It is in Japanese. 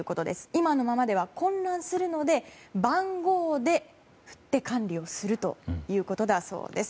今のままでは混乱するので番号で振って、管理をするということだそうです。